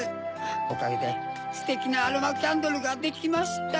おかげでステキなアロマキャンドルができました。